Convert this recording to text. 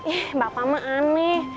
ih bapak mah aneh